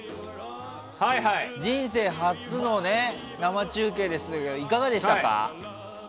人生初の生中継ですけどいかがでしたか？